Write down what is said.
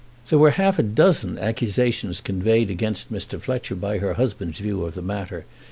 There were half a dozen accusations conveyed against Mr. Fletcher by her husband's view of the matter.